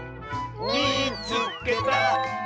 「みいつけた！」。